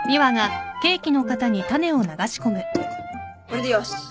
これでよし。